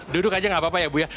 duduk aja gak apa apa ya bu ya